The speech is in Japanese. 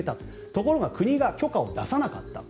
ところが国が許可を出さなかった。